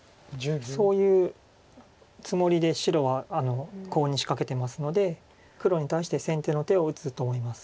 そういうつもりで白はコウに仕掛けてますので黒に対して先手の手を打つと思います。